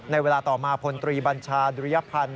ในเวลาต่อมาพลตรีบัญชาดุริยพันธ์